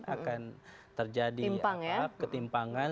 akan terjadi ketimpangan